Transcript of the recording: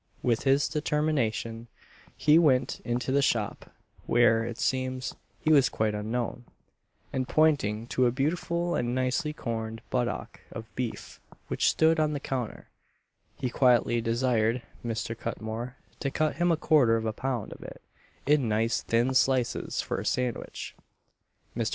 With this determination he went into the shop, where, it seems, he was quite unknown, and pointing to a beautiful and nicely corned buttock of beef which stood on the counter, he quietly desired Mr. Cutmore to cut him a quarter of a pound of it in nice thin slices for a sandwich. Mr.